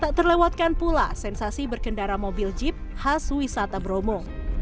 tak terlewatkan pula sensasi berkendara mobil jeep khas wisata bromo